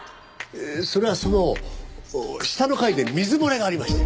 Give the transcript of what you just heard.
それはその下の階で水漏れがありまして。